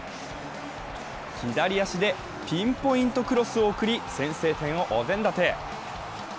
左足でピンポイントクロスを送り、先制点をお膳立て。